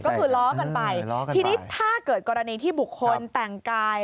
ก็คือล้อกันไปทีนี้ถ้าเกิดกรณีที่บุคคลแต่งกาย